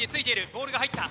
ボールが入った。